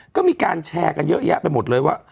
ก็มีการแชร์กันเยอะแยะไปหมดเลยว่า